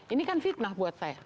ini kan fitnah buat saya